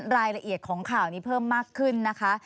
รายละเอียดของข่าวนี้เพิ่มมากขึ้นนะคะ